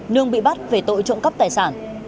nương bị bắt về tội trộm cấp tài sản